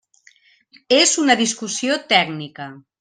És una discussió tècnica.